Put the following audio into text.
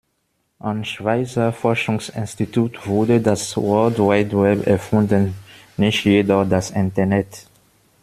Am Schweizer Forschungsinstitut wurde das World Wide Web erfunden, nicht jedoch das Internet.